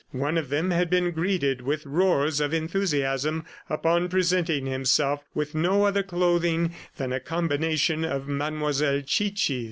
... One of them had been greeted with roars of enthusiasm upon presenting himself with no other clothing than a "combination" of Mademoiselle Chichi's.